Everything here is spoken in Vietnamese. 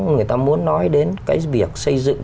người ta muốn nói đến cái việc xây dựng